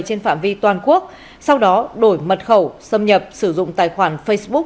trên phạm vi toàn quốc sau đó đổi mật khẩu xâm nhập sử dụng tài khoản facebook